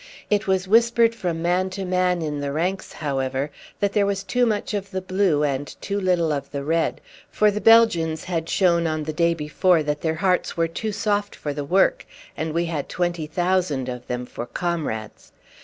It was whispered from man to man in the ranks, however, that there was too much of the blue and too little of the red; for the Belgians had shown on the day before that their hearts were too soft for the work, and we had twenty thousand of them for comrades.